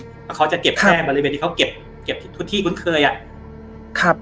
แล้วเขาจะเก็บแค่บริเวณที่เขาเก็บทุกที่คุ้นเคยอ่ะครับ